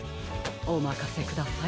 おまかせください。